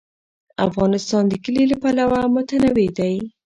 افغانستان د کلي له پلوه متنوع دی.